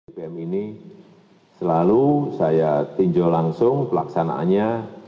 bbm ini selalu saya tinjau langsung pelaksanaannya